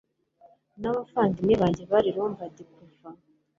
n'abavandimwe banjye bari Lombard kuva